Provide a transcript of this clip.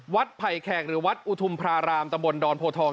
ไผ่แขกหรือวัดอุทุมพรารามตะบนดอนโพทอง